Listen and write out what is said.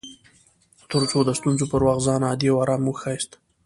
تر څو د ستونزو پر وخت ځان عادي او ارام وښياست